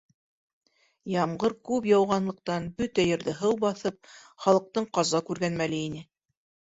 Ямғыр күп яуғанлыҡтан, бөтә ерҙе һыу баҫып, халыҡтың ҡаза күргән мәле ине.